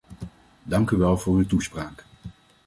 Dank u wel voor uw toespraak.